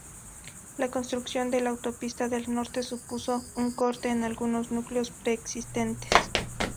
La construcción de la autopista del Norte supuso un corte en algunos núcleos preexistentes.